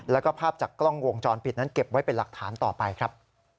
แล้วก็ภาพจากกล้องวงจรปิดนั้นเก็บไว้เป็นหลักฐานต่อไปครับ